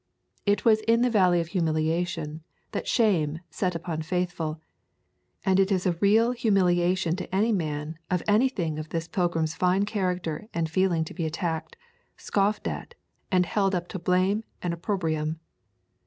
It was in the Valley of Humiliation that Shame set upon Faithful, and it is a real humiliation to any man of anything of this pilgrim's fine character and feeling to be attacked, scoffed at, and held up to blame and opprobrium.